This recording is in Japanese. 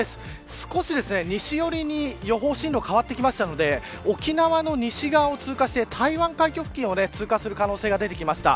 少し西寄りに予報進路が変わってきたので沖縄の西側を通過して台湾海峡付近を通過する可能性が出てきました。